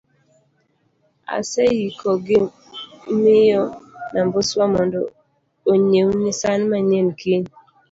aseiko gi miyo Nambuswa mondo onyiewni san manyien kiny